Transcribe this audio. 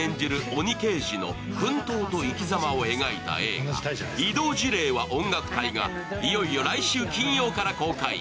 鬼刑事の奮闘と生きざまを描いた映画「異動辞令は音楽隊！」がいよいよ来週金曜から公開。